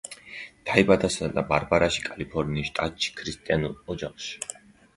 დაიბადა სანტა-ბარბარაში, კალიფორნიის შტატში, ქრისტიანულ ოჯახში.